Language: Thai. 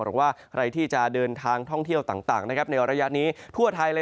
หรือว่าใครที่จะเดินทางท่องเที่ยวต่างในระยะนี้ทั่วไทยเลย